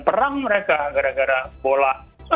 perang mereka gara gara bola